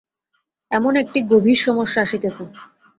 এখন একটি গভীর সমস্যা আসিতেছে।